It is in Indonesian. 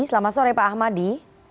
selamat sore pak ahmadi